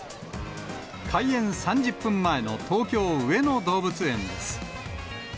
開園３０分前の東京・上野動物園です。